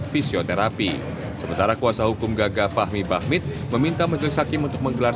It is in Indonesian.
fisioterapi sementara kuasa hukum gagah fahmi bakmit meminta menteri sakim untuk menggelar